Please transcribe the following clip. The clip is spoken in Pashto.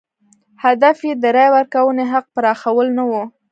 هدف یې د رایې ورکونې حق پراخوال نه و.